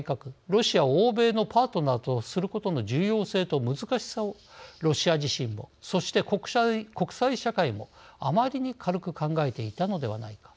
ロシアを欧米のパートナーとすることの重要性と難しさをロシア自身もそして国際社会も、あまりに軽く考えていたのではないか。